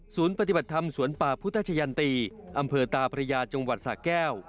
ปฏิบัติธรรมสวนป่าพุทธชะยันตีอำเภอตาพระยาจังหวัดสะแก้ว